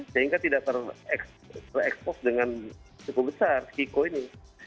sehingga tidak terekspos dengan cukup besar psiko ini